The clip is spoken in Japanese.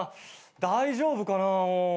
大丈夫かな。